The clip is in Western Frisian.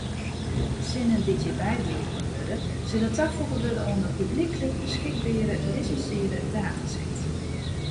Sinnen dy’t hjir bydroegen wurde sille tafoege wurde oan in publyklik beskikbere lisinsearre dataset.